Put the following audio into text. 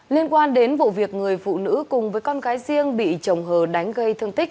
liên quan đến vụ việc người phụ nữ cùng với con gái riêng bị chồng hờ đánh gây thương tích